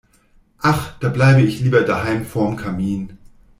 Ach, da bleibe ich lieber daheim vorm Kamin.